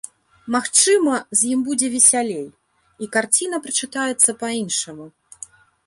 Магчыма, з ім будзе весялей, і карціна прачытаецца па-іншаму.